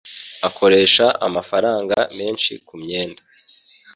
Akoresha amafaranga menshi kumyenda.